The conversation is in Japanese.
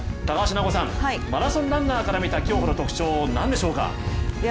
高橋尚子さん、マラソンランナーから見た競歩の特徴、何でしょうか？